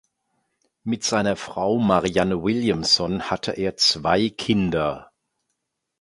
Mit seiner Frau Marianne Williamson hatte er zwei Kinder.